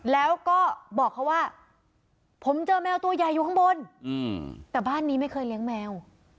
แล้วก็บอกเขาว่าผมเจอแมวตัวใหญ่อยู่ข้างบนแต่บ้านนี้ไม่เคยเลี้ยงแมว